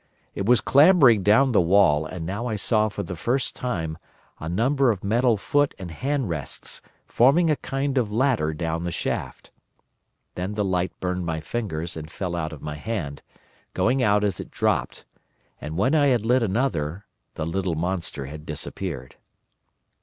It was clambering down the wall, and now I saw for the first time a number of metal foot and hand rests forming a kind of ladder down the shaft. Then the light burned my fingers and fell out of my hand, going out as it dropped, and when I had lit another the little monster had disappeared.